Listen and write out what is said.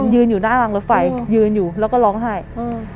ยืนอยู่หน้ารางรถไฟยืนอยู่แล้วก็ร้องไห้อืม